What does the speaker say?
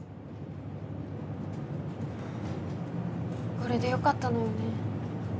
これでよかったのよね。